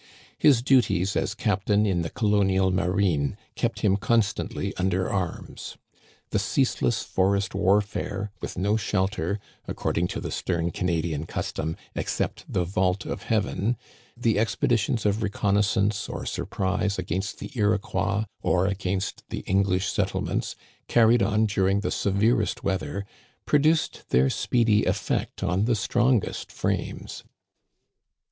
His duties as captain in the Colonial Marine kept him constantly under arms. The ceaseless forest warfare, with no shel Digitized by VjOOQIC 104 THE CANADIANS OF OLD, ter, according to the stem Canadian custom, except the vault of heaven, the expeditions of reconnoissance or surprise against the Iroquois or against the English set tlements, carried on during the severest weather, pro duced their speedy efifect on the strongest frames.